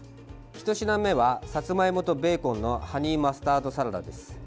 ひと品目はさつまいもとベーコンのハニーマスタードサラダです。